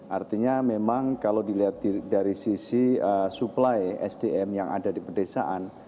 artinya memang kalau dilihat dari sisi supply sdm yang ada di pedesaan